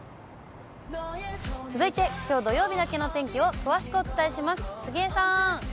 続いてきょう土曜日の天気を詳しくお伝えします。